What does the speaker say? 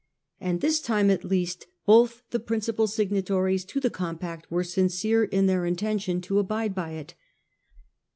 And this time at least both the principal signatories to the compact were sincere in their intention to abide by it.